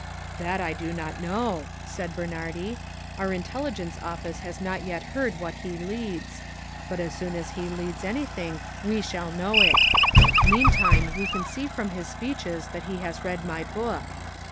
"That I do not know," said Bernhardi. "Our intelligence office has not yet heard what he leads. But as soon as he leads anything we shall know it. Meantime we can see from his speeches that he has read my book.